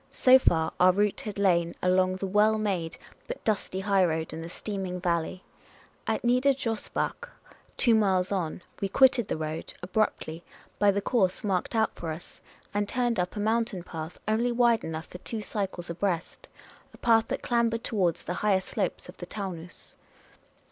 So far, our route had lain along the well made but dusty highroad in the steaming valley; at Nieder Josbach , two miles on, we quitted the road abruptly, by the course marked out for us, and turned up a mountain path, only wide enough for two cycles abreast — a path that clambered towards the higher slopes of the Taunus.